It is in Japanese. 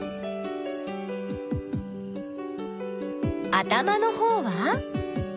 頭のほうは？